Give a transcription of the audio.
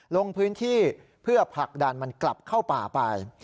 ลงพื้นที่เพื่อผลักดันมันกลับเข้าป่าไป